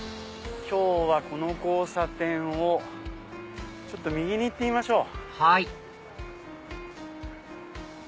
今日はこの交差点を右に行ってみましょう。